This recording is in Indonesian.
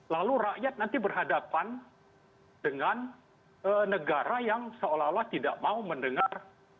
lalu rakyat nanti berhadapan dengan negara yang seolah olah tidak mau mendengar